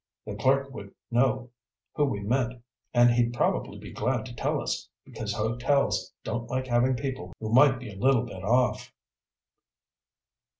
The clerk would know who we meant, and he'd probably be glad to tell us, because hotels don't like having people who might be a little bit off."